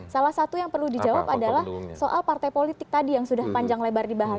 salah satu yang perlu dijawab adalah soal partai politik tadi yang sudah panjang lebar dibahas